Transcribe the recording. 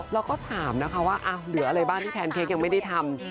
เราก็ถามนะคะว่าเหลืออะไรบ้างที่แพนเค้กยังไม่ได้ทำ